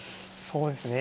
そうですね